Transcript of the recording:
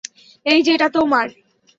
এই যে এটা তোমার।